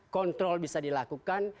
kontrol bisa dilakukan